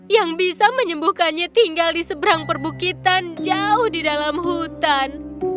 yang bisa menyembuhkannya tinggal di seberang perbukitan jauh di dalam hutan